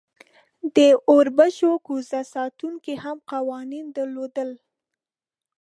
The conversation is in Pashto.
د اوربشو کوزه ساتونکی هم قوانین درلودل.